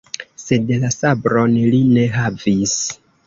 Sed la sabron li ne havis!